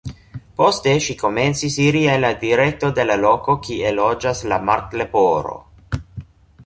Poste ŝi komencis iri en la direkto de la loko kie loĝas la Martleporo.